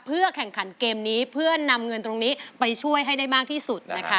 เพื่อแข่งขันเกมนี้เพื่อนำเงินตรงนี้ไปช่วยให้ได้มากที่สุดนะคะ